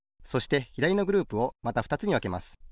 そしてひだりのグループをまたふたつにわけます。